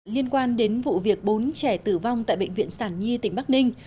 liên quan đến vụ việc bốn trẻ tử vong tại bệnh viện sản nhi tỉnh bắc ninh